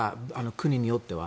国によっては。